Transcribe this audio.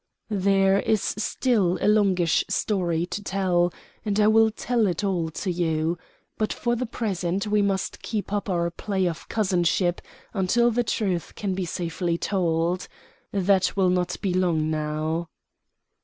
"There is still a longish story to tell, and I will tell it all to you; but for the present we must keep up our play of cousinship until the truth can be safely told. That will not be long now."